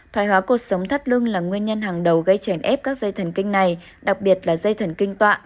thoái hóa cuộc sống thắt lưng là nguyên nhân hàng đầu gây chèn ép các dây thần kinh này đặc biệt là dây thần kinh tọa